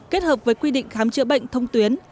kết hợp với quy định khám chữa bệnh thông tuyến